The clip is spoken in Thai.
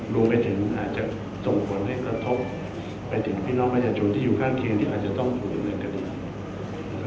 รวมไปถึงอาจจะส่งผลให้กระทบไปถึงพี่น้องประชาชนที่อยู่ข้างเคียงที่อาจจะต้องถูกดำเนินคดี